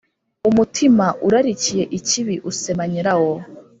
Umutima urarikiye ikibi usema nyirawo,